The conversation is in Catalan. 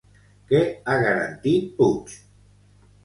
Què ha garantit Puig?